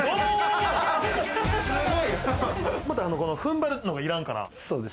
踏ん張るのがいらんから。